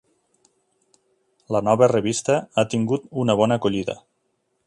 La nova revista ha tingut una bona acollida.